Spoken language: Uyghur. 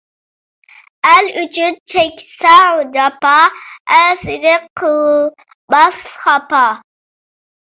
ئەل ئۈچۈن چەكسەڭ جاپا، ئەل سېنى قىلماس خاپا.